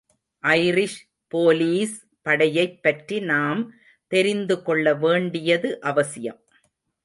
Irish police படையைப் பற்றி நாம் தெரிந்துக்கொள்ள வேண்டியது அவசியம்.